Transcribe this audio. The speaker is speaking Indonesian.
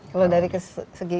kalau dari segi